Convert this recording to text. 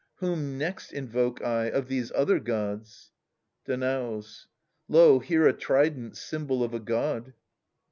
Whom next invoke I, of these other gods ? Danaus. Lo, here a trident, symbol of a god.